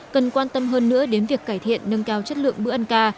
cần quan tâm hơn nữa đến việc cải thiện nâng cao chất lượng bữa ăn ca